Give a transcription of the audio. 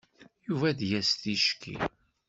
Yuba ad d-yas ticki.